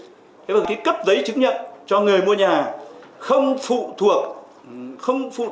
thế và cái cấp giấy chứng nhận cho người mua nhà không phụ thuộc vào cái xử lý sai phạm của chủ đầu tư